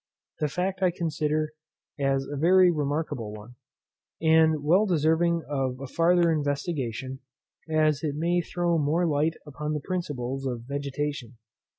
This fact I consider as a very remarkable one, and well deserving of a farther investigation, as it may throw more light upon the principles of vegetation.